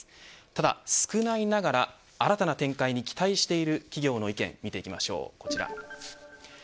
ただ、少ないながら新たな展開に期待している企業の意見見ていきましょう、こちら。